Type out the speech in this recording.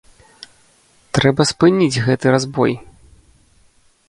Трэба спыніць гэты разбой!